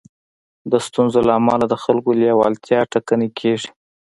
د ستونزو له امله د خلکو لېوالتيا ټکنۍ کېږي.